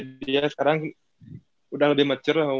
jadi ya sekarang udah lebih mature lah